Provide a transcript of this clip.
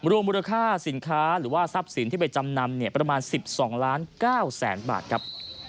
มูลค่าสินค้าหรือว่าทรัพย์สินที่ไปจำนำประมาณ๑๒ล้าน๙แสนบาทครับ